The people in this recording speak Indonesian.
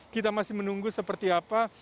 kita masih menunggu seperti apa